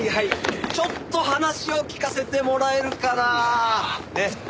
ちょっと話を聞かせてもらえるかな？ね？